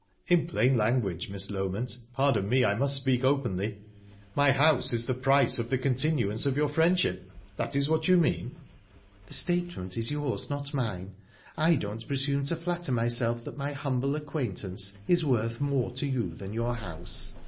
"In plain language, Miss Loment pardon me, I must speak openly my house is the price of the continuance of your friendship? That is what you mean?" "The statement is yours, not mine. I don't presume to flatter myself that my humble acquaintance is worth more to you than your house.